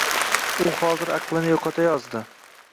U hozir aqlini yo’qotayozdi.